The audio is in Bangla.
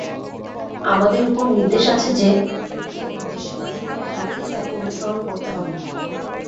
আমাদের উপর নির্দেশ আছে যে কেউ উদ্দেশ্যবিহীনভাবে হাঁটলেই তাকে অনুসরণ করতে হবে।